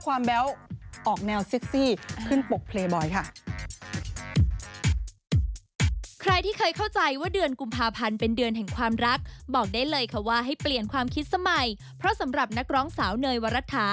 ก็เลยขอขึ้นปกสลัดภาพความแบ๊ว